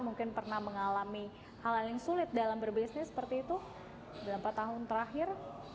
mungkin pernah mengalami hal hal yang sulit dalam berbisnis seperti itu dalam empat tahun terakhir